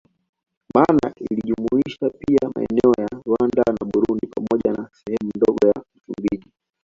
Maana ilijumlisha pia maeneo ya Rwanda na Burundi pamoja na sehemu ndogo ya Msumbiji